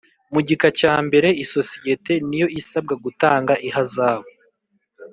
Mu gika cya mbere isosiyete niyo isabwa gutanga ihazabu